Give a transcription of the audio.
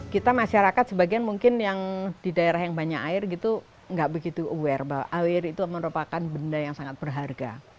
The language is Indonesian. kita masyarakat sebagian mungkin yang di daerah yang banyak air gitu nggak begitu aware bahwa air itu merupakan benda yang sangat berharga